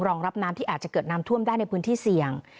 รองรับน้ำที่อาจจะเกิดน้ำท่วมได้ในพื้นที่เสี่ยง